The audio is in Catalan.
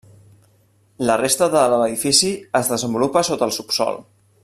La resta de l'edifici es desenvolupa sota el subsòl.